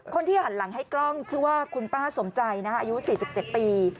คนที่หันหลังให้กล้องชื่อว่าคุณป้าสมใจอายุ๔๗ปี